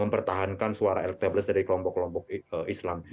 mempertahankan suara elektabilitas dari kelompok kelompok islam